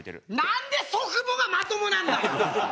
なんで祖父母がまともなんだよ！